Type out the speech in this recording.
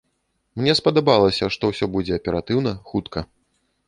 Мне спадабалася, што ўсё будзе аператыўна, хутка.